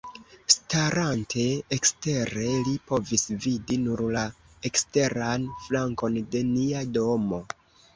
Starante ekstere, li povis vidi nur la eksteran flankon de nia domo.